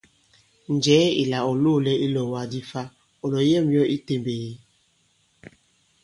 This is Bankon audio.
Njɛ̀ɛ ìlà ɔ̀ loōlɛ i ilɔ̀ɔ̀wàk di fa, ɔ̀ làyɛ᷇m yɔ i itèmbèk ì?